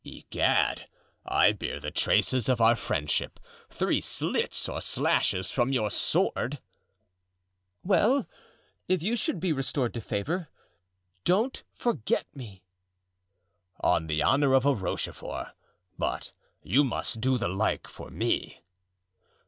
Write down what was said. "Egad! I bear the traces of our friendship—three slits or slashes from your sword." "Well, if you should be restored to favor, don't forget me." "On the honor of a Rochefort; but you must do the like for me."